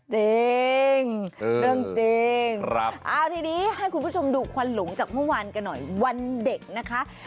จริงเรื่องจริงเอาทีนี้ให้คุณผู้ชมดูควันหลงจากเมื่อวานกันหน่อยวันเด็กนะคะ